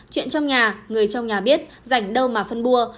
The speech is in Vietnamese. chuyện trong nhà người trong nhà biết rảnh đâu mà phân bua